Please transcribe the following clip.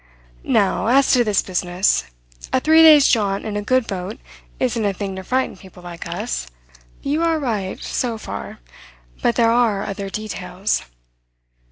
"Now, as to this business. A three days' jaunt in a good boat isn't a thing to frighten people like us. You are right, so far; but there are other details."